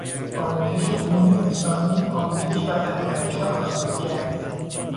آموزش علوم انسانی، آموزش و پرورش آزادگر